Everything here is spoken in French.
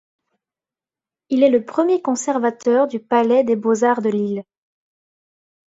Il est le premier conservateur du palais des Beaux-Arts de Lille.